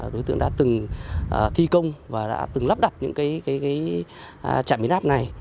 đối tượng đã từng thi công và đã từng lắp đặt những trạm biến áp này